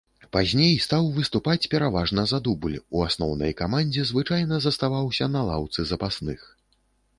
Пазней стаў выступаць пераважна за дубль, у асноўнай камандзе звычайна заставаўся на лаўцы запасных.